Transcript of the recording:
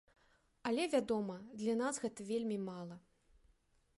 Але, вядома, для нас гэта вельмі мала.